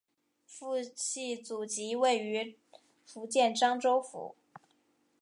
父系祖籍位于福建漳州府。